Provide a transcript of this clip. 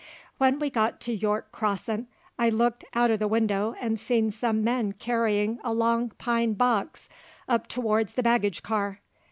When we got to York Crossin' I looked out'n the winder 'nd seen some men carryin' a long pine box up towards the baggage car.